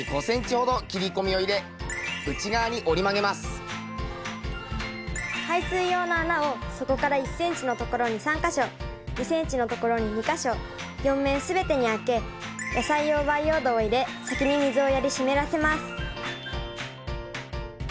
小さいので排水用の穴を底から１ｃｍのところに３か所２ｃｍのところに２か所４面全てにあけ野菜用培養土を入れ先に水をやり湿らせます。